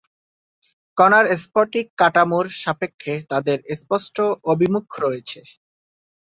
কণার স্ফটিক কাঠামোর সাপেক্ষে তাদের স্পষ্ট অভিমুখ রয়েছে।